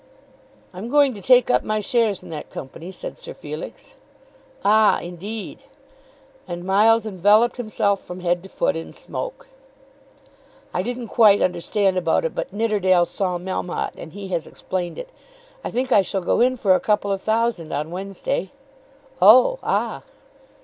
"I'm going to take up my shares in that company," said Sir Felix. "Ah; indeed." And Miles enveloped himself from head to foot in smoke. "I didn't quite understand about it, but Nidderdale saw Melmotte and he has explained it. I think I shall go in for a couple of thousand on Wednesday." "Oh; ah."